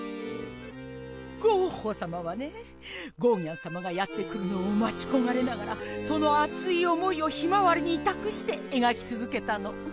ゴッホさまはねゴーギャンさまがやって来るのをまちこがれながらその熱い思いをひまわりにたくして描きつづけたの。